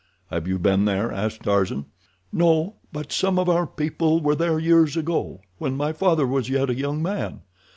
"Have you been there?" asked Tarzan. "No, but some of our people were there years ago, when my father was yet a young man.